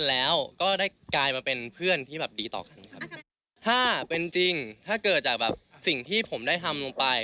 แล้วก็ได้กลายมาเป็นเพื่อนที่แบบดีต่อกันครับถ้าเป็นจริงถ้าเกิดจากแบบสิ่งที่ผมได้ทำลงไป